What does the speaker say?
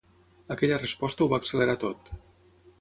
Aquella resposta ho va accelerar tot.